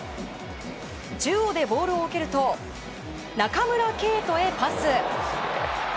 中央でボールを受けると中村敬斗へパス。